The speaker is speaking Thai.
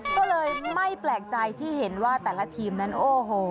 ก็เลยไม่แปลกใจที่เห็นว่าแต่ละทีมนั้นโอ้โห